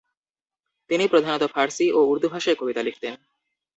তিনি প্রধানত ফার্সি ও উর্দু ভাষায় কবিতা লিখতেন।